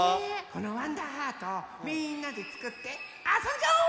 このわんだーハートをみんなでつくってあそんじゃおう！